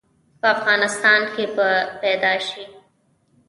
په افغانستان کې به پيدا ش؟